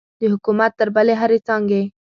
د حکومت تر بلې هرې څانګې.